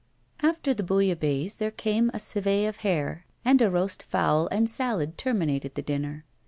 After the bouillabaisse there came a civet of hare; and a roast fowl and salad terminated the dinner.